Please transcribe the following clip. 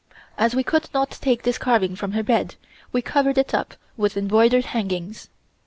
As we could not take this carving from her bed, we covered it up with embroidered hangings.